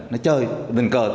nó chơi bình cơ